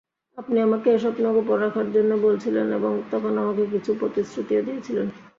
আপনি আমাকে এ স্বপ্ন গোপন রাখার জন্যে বলেছিলেন এবং তখন আমাকে কিছু প্রতিশ্রুতিও দিয়েছিলেন।